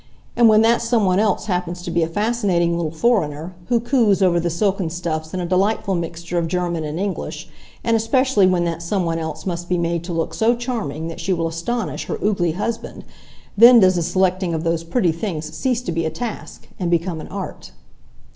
And when that some one else happens to be a fascinating little foreigner who coos over the silken stuffs in a delightful mixture of German and English; and especially when that some one else must be made to look so charming that she will astonish her oogly husband, then does the selecting of those pretty things cease to be a task, and become an art.